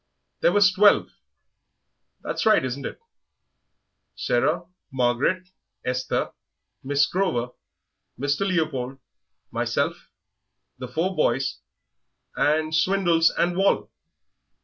"There was twelve. That's right, isn't it? Sarah, Margaret, Esther, Miss Grover, Mr. Leopold, myself, the four boys, and Swindles and Wall....